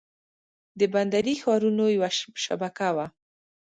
د بندري ښارونو یوه شبکه وه